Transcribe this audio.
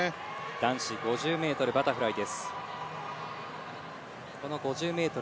男子５０ｍバタフライ。